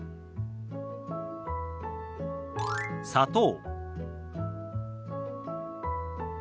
「砂糖」。